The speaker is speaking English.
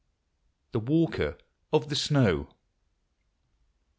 THE WALKER OF THE SNOW.